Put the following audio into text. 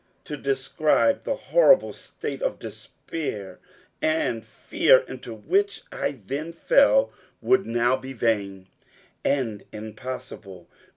To describe the horrible state of despair and fear into which I then fell would now be vain and impossible.